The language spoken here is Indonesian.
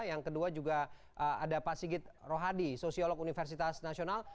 yang kedua juga ada pak sigit rohadi sosiolog universitas nasional